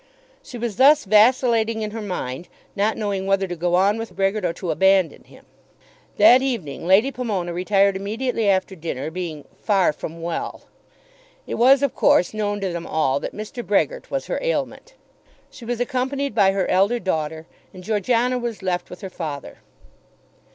She was thus vacillating in her mind, not knowing whether to go on with Brehgert or to abandon him. That evening Lady Pomona retired immediately after dinner, being "far from well." It was of course known to them all that Mr. Brehgert was her ailment. She was accompanied by her elder daughter, and Georgiana was left with her father.